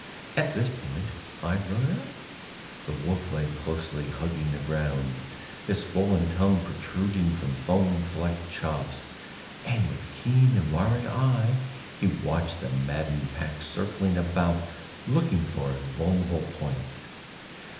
At this point I rode up. The wolf lay closely hugging the ground, his swollen tongue protruding from foam flecked chops, and with keen and wary eye he watched the maddened pack circling about looking for a vulnerable point.